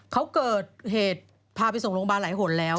เขาเกิดเหตุพาไปส่งโรงพยาบาลหลายหนแล้ว